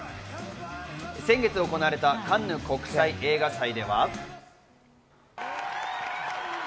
先月行われたカンヌ国際映画祭では。